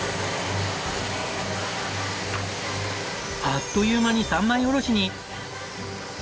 あっという間に３枚おろしに。